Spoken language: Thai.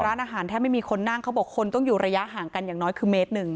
ร้านอาหารแทบไม่มีคนนั่งเขาบอกคนต้องอยู่ระยะห่างกันอย่างน้อยคือเมตรหนึ่ง